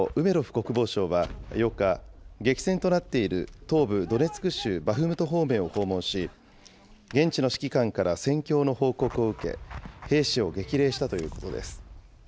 国防相は８日、激戦となっている東部ドネツク州バフムト方面を訪問し、現地の指揮官から戦況の報告を受け、兵士を激励したということです。